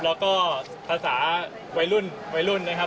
แล้วก็ภาษาวัยรุ่นนะครับ